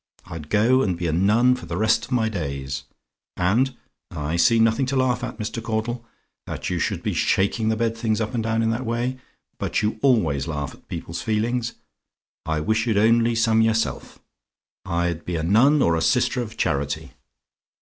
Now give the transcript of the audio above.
I'd go and be a nun for the rest of my days, and I see nothing to laugh at, Mr. Caudle; that you should be shaking the bed things up and down in that way. But you always laugh at people's feelings; I wish you'd only some yourself. I'd be a nun, or a Sister of Charity.